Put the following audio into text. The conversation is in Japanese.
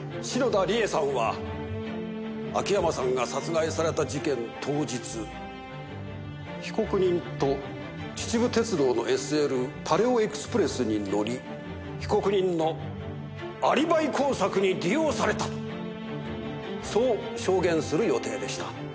篠田理恵さんは秋山さんが殺害された事件当日被告人と秩父鉄道のＳＬパレオエクスプレスに乗り被告人のアリバイ工作に利用されたとそう証言する予定でした。